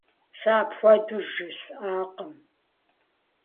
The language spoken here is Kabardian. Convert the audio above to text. Сэ апхуэдэу жысӀакъым.